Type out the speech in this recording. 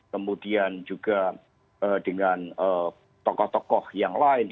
kemudian juga dengan tokoh tokoh yang lain